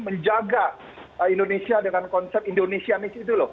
menjaga indonesia dengan konsep indonesianis itu loh